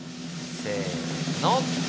せの！